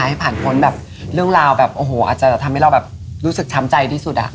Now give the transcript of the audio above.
ให้ผ่านผลเรื่องราวแบบโอ้โหอาจจะทำให้เรารู้สึกช้ำใจที่สุด